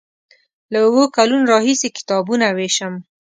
له اوو کلونو راهیسې کتابونه ویشم.